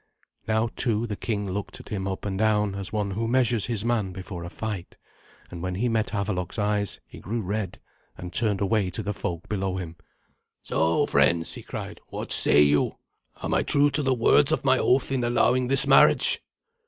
Now, too, the king looked at him up and down, as one who measures his man before a fight. And when he met Havelok's eyes he grew red, and turned away to the folk below him. "So, friends," he cried, "what say you? Am I true to the words of my oath in allowing this marriage?"